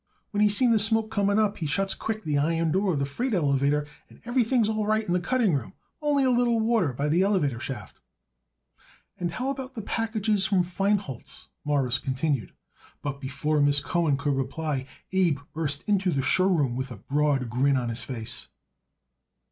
"When he seen the smoke coming up he shuts quick the iron door on the freight elevator and everything's all right in the cutting room, only a little water by the elevator shaft." "And how about the packages from Feinholz?" Morris continued. But before Miss Cohen could reply Abe burst into the show room with a broad grin on his face.